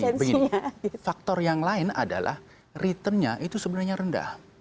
tapi faktor yang lain adalah returnnya itu sebenarnya rendah